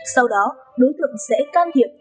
sau đó đối tượng sẽ can thiệp